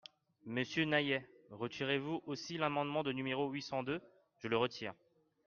Monsieur Naillet, retirez-vous aussi l’amendement numéro huit cent deux ? Je le retire.